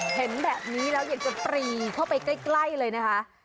เห็นแบบนี้แล้วอยากจะปรีเข้าไปใกล้เลยนะคะ